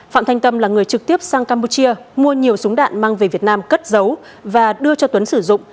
phạm thanh tâm là người trực tiếp sang campuchia mua nhiều súng đạn mang về việt nam cất giấu và đưa cho tuấn sử dụng